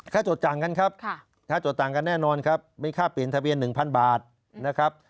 จดต่างกันครับค่าจดต่างกันแน่นอนครับมีค่าเปลี่ยนทะเบียน๑๐๐บาทนะครับ